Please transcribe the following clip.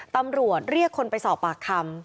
ปำรวจเรียกคนมาสอบปากคลัม